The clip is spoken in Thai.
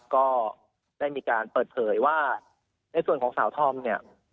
ก็ได้มีการเปิดเผยว่าในส่วนของสาวธอมเนี่ย